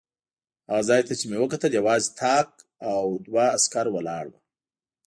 هغه ځای ته چې مې وکتل یوازې طاق او دوه عسکر ولاړ و.